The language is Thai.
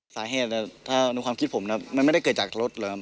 สาเหตุถ้าในความคิดผมนะมันไม่ได้เกิดจากรถเหรอครับ